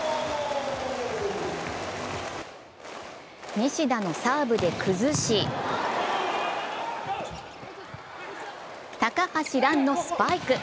西田のサーブで崩し高橋藍のスパイク。